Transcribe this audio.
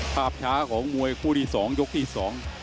ภาพช้าของมวยคู่ที่สองยกที่สอง